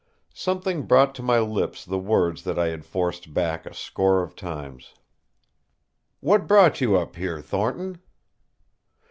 Something brought to my lips the words that I had forced back a score of times. "What brought you up here, Thornton?"